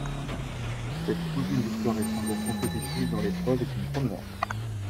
Cette troisième victoire étrangère consécutive dans l'épreuve est une première.